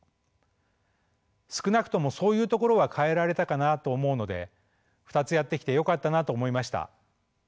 「少なくともそういうところは変えられたかなと思うので２つやってきてよかったなと思いました。